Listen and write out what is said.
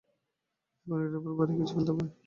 এখন, এটার উপরে ভারী কিছু ফেলতে হবে।